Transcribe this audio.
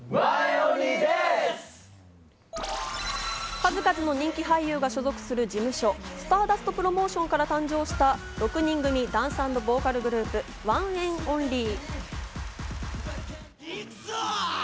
数々の人気俳優が所属する事務所、スターダストプロモーションから誕生した６人組ダンス＆ボーカルグループ、ＯＮＥＮ’ＯＮＬＹ。